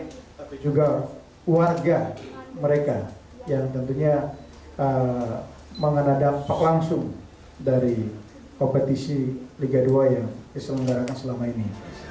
tapi juga warga mereka yang tentunya mengena dampak langsung dari kompetisi liga dua yang diselenggarakan selama ini